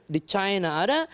di china ada